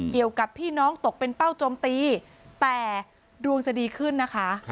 เกี่ยวกับพี่น้องตกเป็นเป้าโจมตีแต่ดวงจะดีขึ้นนะคะ